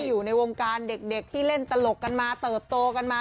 อยู่ในวงการเด็กที่เล่นตลกกันมาเติบโตกันมา